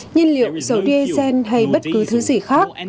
nhiên liệu dầu diesel hay bất cứ thứ gì khác